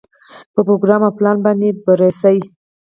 په پروګرام او پلان باندې بررسي.